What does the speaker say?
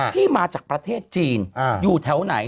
ที่มาจากประเทศจีนอยู่แถวไหน